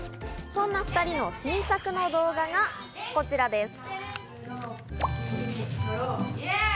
そんな２人の新作の動画がこちらです。